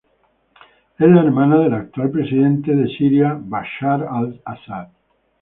Es la hermana del actual presidente de Siria Bashar al-Ásad.